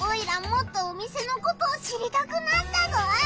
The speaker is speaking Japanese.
もっとお店のことを知りたくなったぞ！